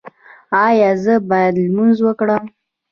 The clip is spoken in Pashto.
ایا زه باید لمونځ وکړم؟